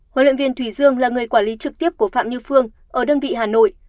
huấn luyện viên thủy dương là người quản lý trực tiếp của phạm như phương ở đơn vị hà nội